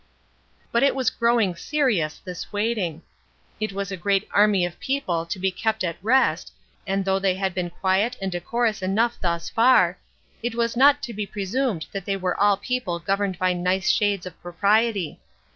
But it was growing serious, this waiting. It was a great army of people to be kept at rest, and though they had been quiet and decorous enough thus far, it was not to be presumed that they were all people governed by nice shades of propriety.